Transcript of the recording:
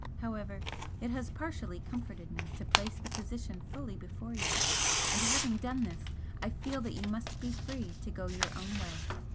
However, it has partially comforted me to place the position fully before you, and having done this I feel that you must be free to go your own way.